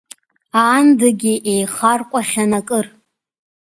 Аандагьы еихарҟәахьан акыр.